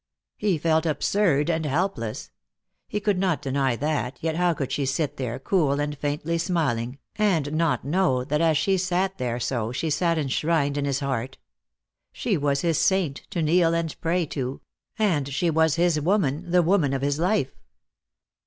He felt absurd and helpless. He could not deny that, yet how could she sit there, cool and faintly smiling, and not know that as she sat there so she sat enshrined in his heart. She was his saint, to kneel and pray to; and she was his woman, the one woman of his life.